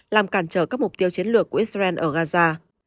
làm cản trở các mục tiêu chiến lược của israel ở gaza